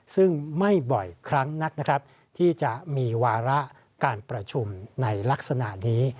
ซึ่งไม่บ่อยครั้งนักนะครับที่จะมีวาระการประชุมในลักษณะนี้